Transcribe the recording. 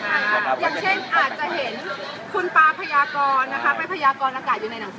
อย่างเช่นอาจจะเห็นคุณปาพยากรนะคะ